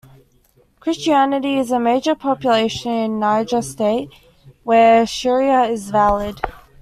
Christianity is a major population in Niger State, where Sharia is valid.